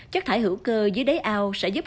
chất thải hữu cơ dưới đáy ao sẽ giúp